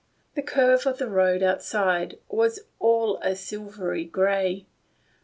The curve of the road outside was all a silvery, shiny grey.